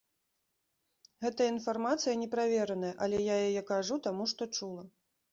Гэтая інфармацыя неправераная, але я яе кажу, таму што чула.